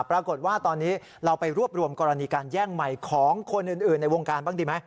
ปรากฏว่าตอนนี้เราไปรวบรวมกรณีการแย่งใหม่ของคนอื่นในวงการบ้างดีไหม